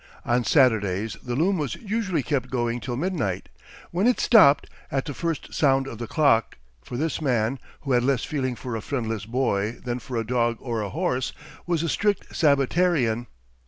On Saturdays the loom was usually kept going till midnight, when it stopped at the first sound of the clock, for this man, who had less feeling for a friendless boy than for a dog or a horse, was a strict Sabbatarian.